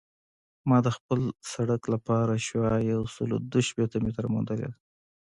ما د خپل سرک لپاره شعاع یوسل دوه شپیته متره موندلې ده